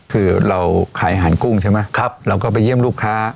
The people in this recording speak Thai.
คือเราขายอาหารกุ้งใช่ไหมเราก็ไปเยี่ยมลูกค้า